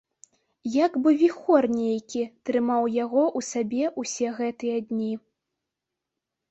Як бы віхор нейкі трымаў яго ў сабе ўсе гэтыя дні.